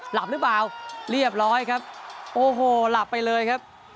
หลับหรือเปล่าเรียบร้อยครับโอ้โหหลับไปเลยครับ